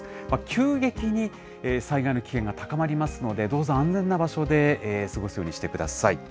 急激に災害の危険が高まりますので、どうぞ、安全な場所で過ごすようにしてください。